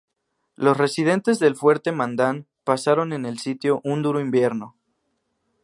Los residentes del fuerte Mandan pasaron en el sitio un duro invierno.